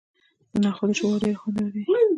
د نخودو شوروا ډیره خوندوره ده.